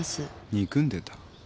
憎んでた？